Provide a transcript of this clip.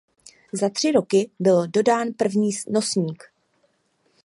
Za tři roky byl dodán první nosník.